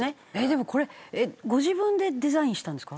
でもこれご自分でデザインしたんですか？